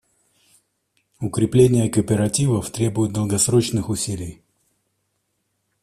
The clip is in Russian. Укрепление кооперативов требует долгосрочных усилий.